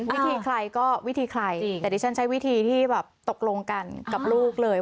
วิธีใครก็วิธีใครแต่ดิฉันใช้วิธีที่แบบตกลงกันกับลูกเลย